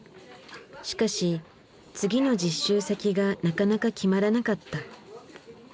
しかし次の実習先がなかなか決まらなかった。